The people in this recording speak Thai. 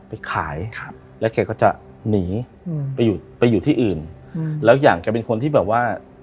ไปขายครับแล้วแกก็จะหนีอืมไปอยู่ไปอยู่ที่อื่นอืมแล้วอย่างแกเป็นคนที่แบบว่า